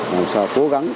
làm sao cố gắng